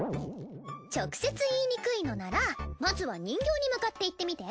直接言いにくいのならまずは人形に向かって言ってみて。